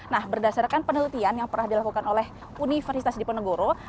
nah berdasarkan penelitian yang pernah dilakukan oleh universitas diponegoro